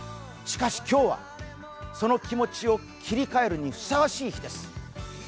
しかし今日は、その気持ちを切り替えるにふさわしい日です。